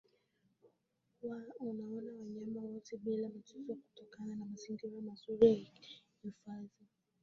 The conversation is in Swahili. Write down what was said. kuwaona wanyama wote bila matatizo kutokana na mazingira mazuri ya hifadhi